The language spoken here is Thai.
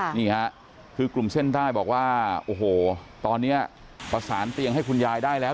นี่ฮะคือกลุ่มเส้นได้บอกว่าโอ้โหตอนนี้ประสานเตียงให้คุณยายได้แล้ว